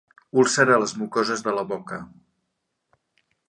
Úlcera a les mucoses de la boca.